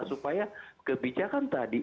supaya kebijakan tadi